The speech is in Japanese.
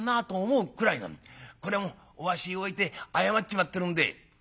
これはもうお足を置いて謝っちまってるんで」。